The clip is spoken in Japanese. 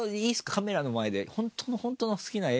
カメラの前で。